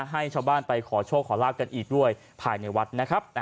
ให้ชาวบ้านไปขอโชคขอลาบกันอีกด้วยภายในวัดนะครับ